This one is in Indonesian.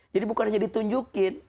jadi bukan hanya ditunjukin